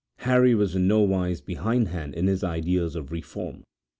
Harry was in no wise behindhand in his ideas of reform.